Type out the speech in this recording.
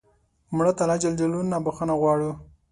مړه ته الله ج نه بخښنه غواړو